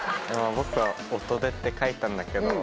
僕は「音で」って書いたんだけど。